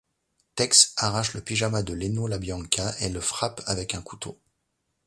Tex arrache le pyjama de Léno LaBianca et le frappe avec un couteau.